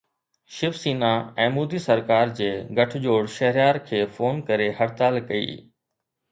شيو سينا ۽ مودي سرڪار جي گٹھ جوڙ شهريار کي فون ڪري هڙتال ڪئي